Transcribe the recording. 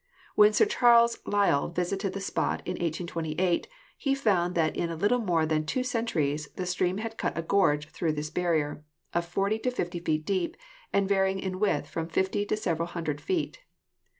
When Sir Charles Lyell visited the spot in 1828 he found that in a little more than two centuries the stream had cut a gorge through this barrier of 40 to 50 feet deep and varying in width from 50 to sev eral hundred feet.